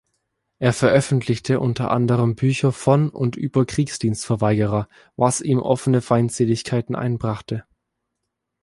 Er veröffentlichte unter anderem Bücher von und über Kriegsdienstverweigerer, was ihm offene Feindseligkeiten einbrachte.